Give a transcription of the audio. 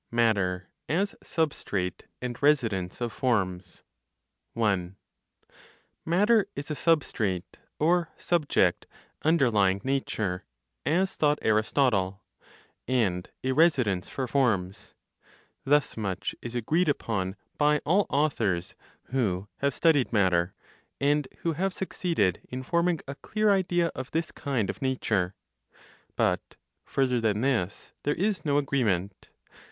MATTER AS SUBSTRATE AND RESIDENCE OF FORMS. 1. Matter is a substrate (or subject) underlying nature, as thought Aristotle, and a residence for forms. Thus much is agreed upon by all authors who have studied matter, and who have succeeded in forming a clear idea of this kind of nature; but further than this, there is no agreement.